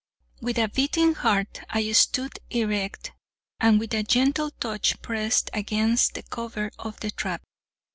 With a beating heart I stood erect, and with a gentle touch pressed against the cover of the trap.